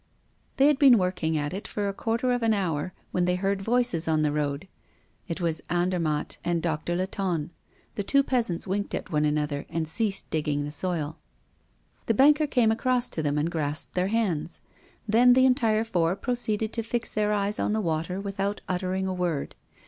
They had been working at it for a quarter of an hour, when they heard voices on the road. It was Andermatt and Doctor Latonne. The two peasants winked at one another, and ceased digging the soil. The banker came across to them, and grasped their hands; then the entire four proceeded to fix their eyes on the water without uttering a word.